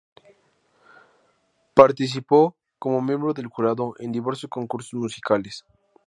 Participó como miembro del jurado en diversos concursos musicales.